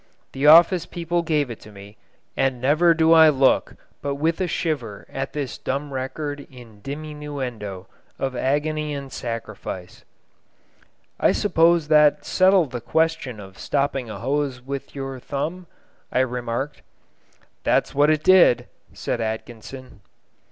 The office people gave it to me, and never do I look but with a shiver at this dumb record in diminuendo of agony and sacrifice. "I suppose that settled the question of stopping a hose with your thumb?" I remarked. "That's what it did!" said Atkinson.